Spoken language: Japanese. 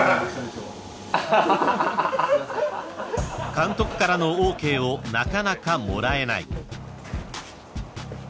［監督からのＯＫをなかなかもらえない］